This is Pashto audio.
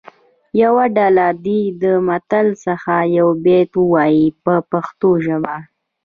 یوه ډله دې له متن څخه یو بیت ووایي په پښتو ژبه.